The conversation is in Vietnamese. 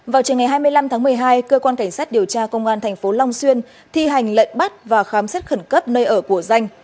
vào trường ngày hai mươi năm tháng một mươi hai cơ quan cảnh sát điều tra công an tp long xuyên thi hành lệnh bắt và khám xét khẩn cấp nơi ở của danh